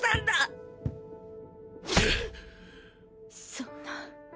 そんな。